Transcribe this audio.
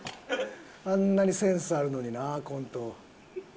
あんなにセンスあるのになコント。